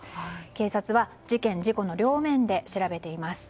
警察は、事件・事故の両面で調べています。